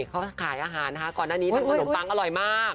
เขาขายอาหารนะคะก่อนหน้านี้ทำขนมปังอร่อยมาก